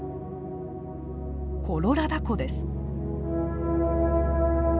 コロラダ湖です。